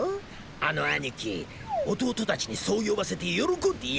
あの兄貴弟たちにそう呼ばせて喜んでいやがんのさ。